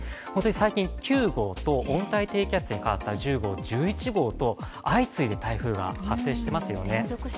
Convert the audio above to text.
最近、９号と温帯低気圧に変わった１０号、１１号と相次いで台風が発生していますよね。